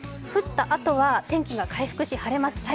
降ったあとは天気が回復し、晴れます。